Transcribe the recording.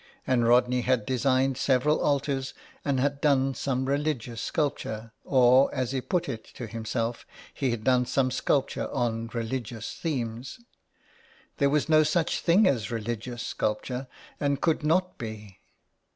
And Rodney had designed several altars and had done some religious sculpture, or, as he put it to himself, he had done some sculpture on religious themes. There was no such thing as religious sculp ture, and could not be.